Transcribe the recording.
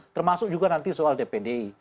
termasuk juga nanti soal dpd